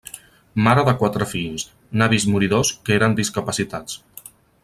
Mare de quatre fills, n'ha vist morir dos que eren discapacitats.